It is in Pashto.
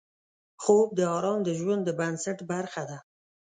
خوب د آرام د ژوند د بنسټ برخه ده